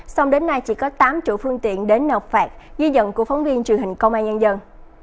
song đến nay chỉ có tám chủ phương tiện đến nọc phạt ghi dận của phóng viên truyền hình công an nhân dân